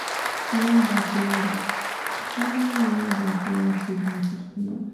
یوه باسیواده خځه یوه باسیواده کورنۍ تشکلوی